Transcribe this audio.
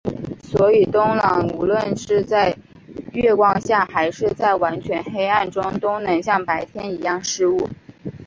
所以冬狼无论是在月光下还是在完全黑暗中都能像白天一样视物。